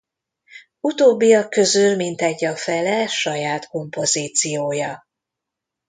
Utóbbiak közül mintegy a fele saját kompozíciója.